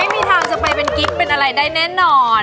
ไม่มีทางจะไปเป็นกิ๊บเป็นอะไรได้แน่นอน